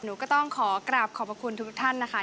หนูก็ต้องขอกราบขอบพระคุณทุกท่านนะคะ